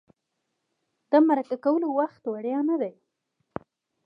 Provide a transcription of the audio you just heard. د مرکه کولو وخت وړیا نه دی.